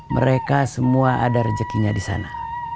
mereka semua ada rezekinya di sana